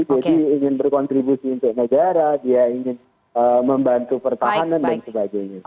ingin berkontribusi untuk negara dia ingin membantu pertahanan dan sebagainya